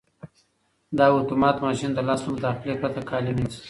دا اتومات ماشین د لاس له مداخلې پرته کالي مینځي.